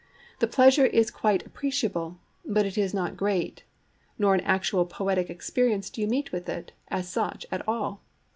The pleasure is quite appreciable, but it is not great; nor in actual poetic experience do you meet with it, as such, at all.